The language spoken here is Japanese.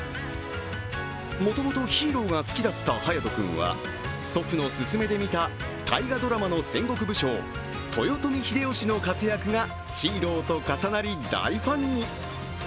もともとヒーローが好きだった勇斗君は祖父の勧めで見た大河ドラマの戦国武将、豊臣秀吉の活躍がヒーローと重なり、大ファンに。